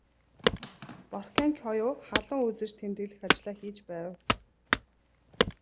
Боркенкою халуун үзэж тэмдэглэх ажлаа хийж байв.